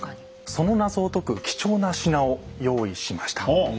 その謎を解く貴重な品を用意しました。